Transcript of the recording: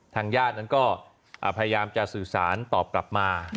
ทางญาตินั้นก็พยายามจะสื่อสารตอบกลับมา